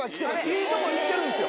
いいとこいってるんですよ。